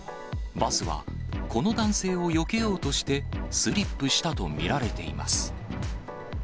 バスは、この男性をよけようとして、スリップしたと見られています。